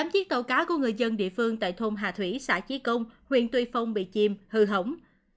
tám chiếc tàu cá của người dân địa phương tại thôn hà thủy xã chí công huyện tuy phong bị chìm hư hỏng